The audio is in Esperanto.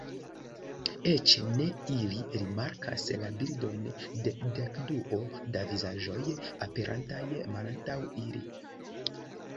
Eĉ ne ili rimarkas la bildon de dekduo da vizaĝoj aperantaj malantaŭ ili.